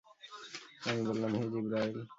আমি বললাম, হে জিবরাঈল!